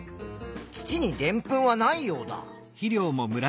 土にでんぷんはないようだ。